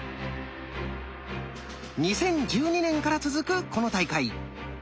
２０１２年から続くこの大会。